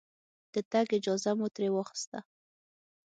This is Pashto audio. د تګ اجازه مو ترې واخسته.